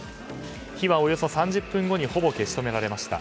火はおよそ３０分後にほぼ消し止められました。